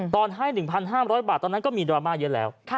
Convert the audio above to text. ตอนให้๑๕๐๐บาทตอนนั้นก็มีดราม่าเยอะแล้ว